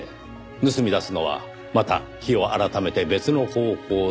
盗み出すのはまた日を改めて別の方法で。